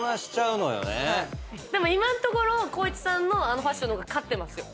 でも今のところ光一さんのあのファッションの方が勝ってますよ。